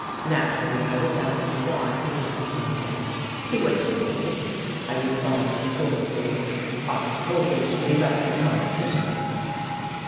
Naturally I was asked why he had declined it. "He wouldn't take it," I replied scornfully. "Office holding should be left to politicians."